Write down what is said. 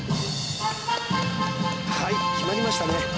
はい決まりましたね